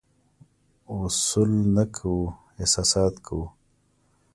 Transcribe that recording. اصول نه کوو، احساسات کوو.